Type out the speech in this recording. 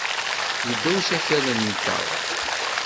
Yedda usakal-nteɣ.